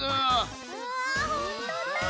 うわほんとうだ！